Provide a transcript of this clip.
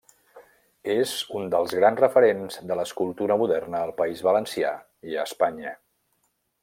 És un dels grans referents de l'escultura moderna al País Valencià i a Espanya.